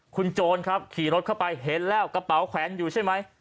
คุณโจรครับขี่รถเข้าไปเห็นแล้วกระเป๋าแขวนอยู่ใช่ไหม